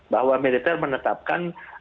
bahwa militer menetapkan